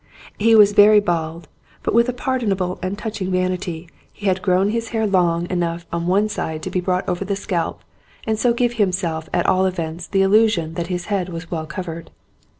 He was very bald, but with a pardonable and touching vanity he had grown his hair long 36 THE SERVANTS OF GOD. enough on one side to be brought over the scalp and so give himself at all events the illusion that his head was well covered.